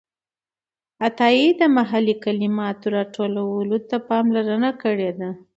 عطايي د محلي کلماتو راټولولو ته پاملرنه کړې ده.